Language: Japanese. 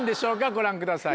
ご覧ください。